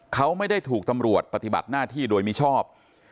เขาไม่ได้ถูกตำรวจปฏิบัติหน้าที่โดยมิชอบ